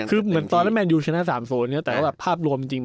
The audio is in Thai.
คือเหมือนตอนนั้นแมนยูชนะสามโซนเนี้ยแต่ว่าแบบภาพรวมจริง